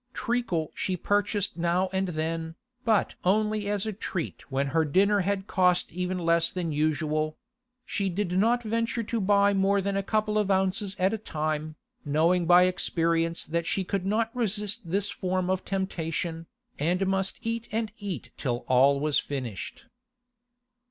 Treacle she purchased now and then, but only as a treat when her dinner had cost even less than usual; she did not venture to buy more than a couple of ounces at a time, knowing by experience that she could not resist this form of temptation, and must eat and eat till all was finished.